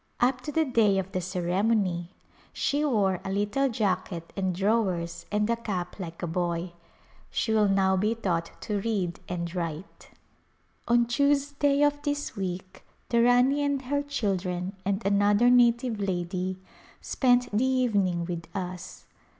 Up to the day of the ceremony she wore a little jacket and drawers and a cap like a boy. She will now be taught to read and write. A Glimpse of India On Tuesday of this week the Rani and her chil dren and another native lady spent the evening with us.